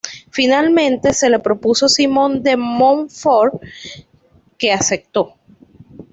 Finalmente se le propuso a Simón de Montfort, que aceptó.